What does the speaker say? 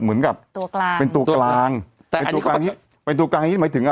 ตัวกลางเป็นตัวกลางเป็นตัวกลางนี้เหมันถึงอะไร